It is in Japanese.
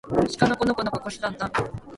しかのこのこのここしたんたん